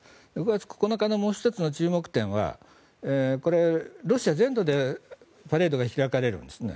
５月９日のもう１つの注目点はこれはロシア全土でパレードが開かれるんです。